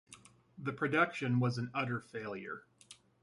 The production was an utter failure.